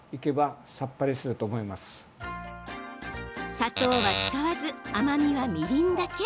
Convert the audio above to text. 砂糖は使わず甘みは、みりんだけ。